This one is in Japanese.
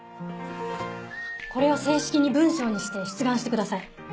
これを正式に文章にして出願してください。